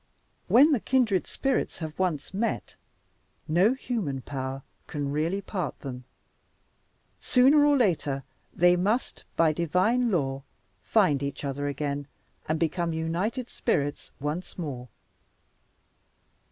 "When the kindred spirits have once met, no human power can really part them. Sooner or later, they must, by divine law, find each other again and become united spirits once more.